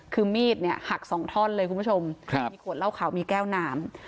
คือมีดเนี่ยหักสองท่อนเลยคุณผู้ชมมีขวดเหล้าขาวมีแก้วน้ำ